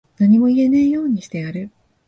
何も言えねぇようにしてやる。